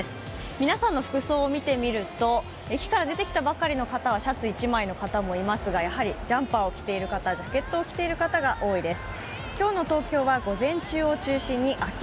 皆さんの服装を見てみると駅から出てきたばかりの方はシャツ１枚の方もいますが、やはりジャンパーを着ている方、ジャケットを着ている方が多いです。